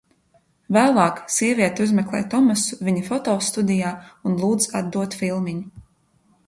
Vēlāk sieviete uzmeklē Tomasu viņa fotostudijā un lūdz atdot filmiņu.